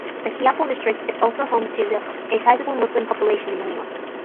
The Quiapo district is also home to a sizable Muslim population in Manila.